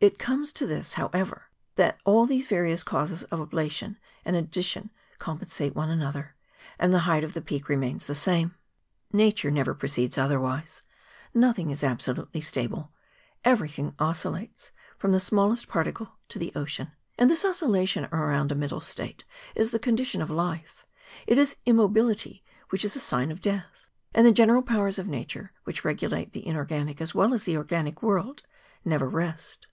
It comes to this, however, that all tliese various causes of ablation and of addition compensate one another ; and the height of the peak remains the same. 30 MOUNTAIN ADVENTURES. Nature never proceeds otherwise; nothing is ab¬ solutely stable : everything oscillates, from the small¬ est particle to the ocean. And this oscillation around a middle state is the condition of life ; it is immobility which is a sign of death; and the general powers of nature, which regulate the inor¬ ganic as well as the organic world, never rest.